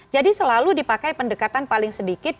jadi selalu dipakai pendekatan paling sedikit